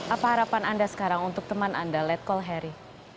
apa harapan anda sekarang untuk teman anda letkol harry